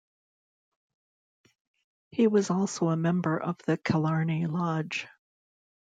He was also a member of the Killarney Lodge.